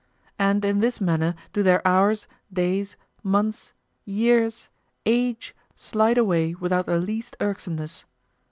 And in this manner do their hours, days, months, years, age slide away without the least irksomeness.